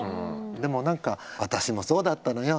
でも何か「私もそうだったのよ。